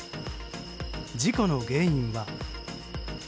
事故の原因は。